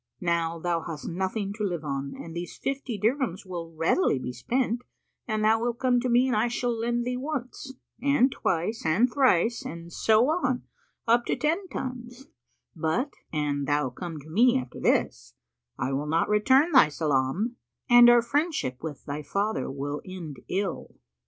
Now thou hast nothing to live on and these fifty dirhams will readily be spent and thou wilt come to me and I shall lend thee once and twice and thrice, and so on up to ten times; but, an thou come to me after this, I will not return thy salam[FN#473] and our friendship with thy father will end ill."